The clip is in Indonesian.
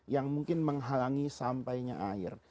yang mungkin menghalangi sampainya air